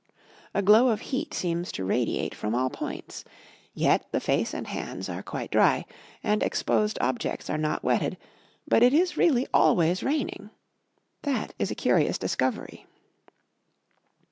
A glow of heat seems to radiate from all points. Yet the face and hands are quite dry, and exposed objects are not wetted; but it is really always raining. That is a curious discovery.